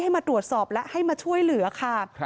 มาตรวจสอบและให้มาช่วยเหลือค่ะ